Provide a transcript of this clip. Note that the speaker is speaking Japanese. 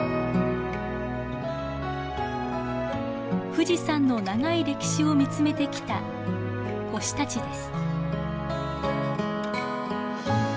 富士山の長い歴史を見つめてきた星たちです。